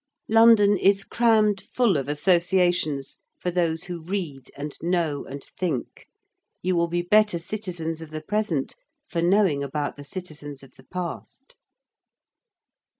London is crammed full of associations for those who read and know and think. You will be better citizens of the present for knowing about the citizens of the past.